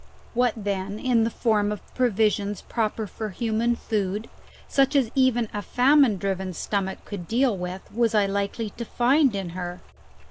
What, then, in the form of provisions proper for human food, such as even a famine driven stomach could deal with, was I likely to find in her?